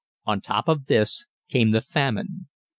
On top of this came the famine.